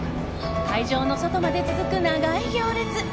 会場の外まで続く長い行列。